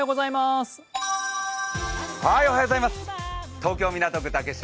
東京・港区竹芝